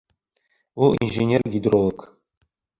Ул инженер-гидролог